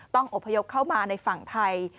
อบพยพเข้ามาในฝั่งไทย